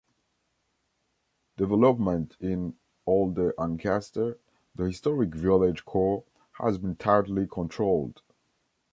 Development in "Olde Ancaster", the historic village core, has been tightly controlled.